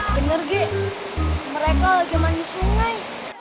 bener g mereka lagi manis sungai